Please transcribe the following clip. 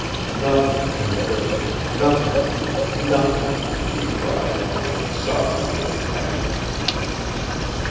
"Nothing can hurt you, nothing nothing " he cried almost sobbingly in his happiness.